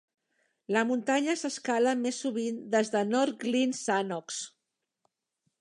La muntanya s'escala més sovint des de North Glenn Sannox.